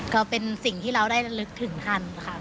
ก็เป็นสิ่งที่เราได้ระลึกถึงท่านค่ะ